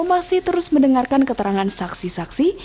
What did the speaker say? masih terus mendengarkan keterangan saksi saksi